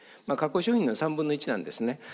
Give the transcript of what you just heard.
加工商品の３分の１なんですね。